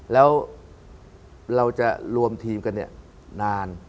แล้วเราจะรวมทีมกันนาน